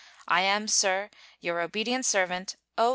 I am, sir, your obedient servant, O.